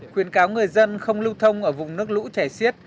khuyến cáo người dân không lưu thông ở vùng nước lũ trẻ siết